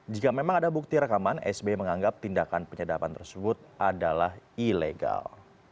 jika memang ada bukti rekaman sbi menganggap tindakan penyadapan tersebut adalah ilegal